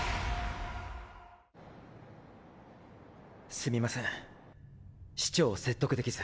すみません市長を説得できず。